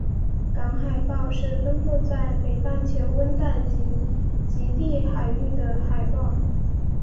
港海豹是分布在北半球温带及极地海域的海豹。